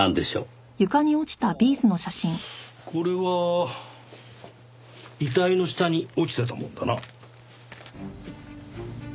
ああこれは遺体の下に落ちてたもんだな。